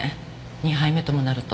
２杯目ともなると。